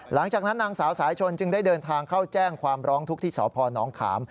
หลังจากนั้นนางสาวสายชนจึงได้เดินทางเข้าแจ้งความร้องทุกข์ที่สพนขาม